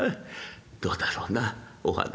どうだろうなお花。